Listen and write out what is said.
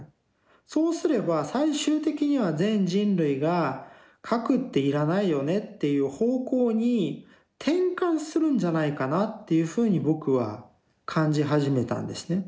そうすれば最終的には全人類が「核っていらないよね」っていう方向に転換するんじゃないかなっていうふうに僕は感じ始めたんですね。